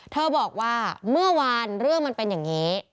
เธอบอกว่าเมื่อวานเรื่องมันเป็นอย่างนี้